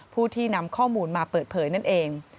ผู้ที่นำข้อมูลมาเปิดเผยนั่นเอง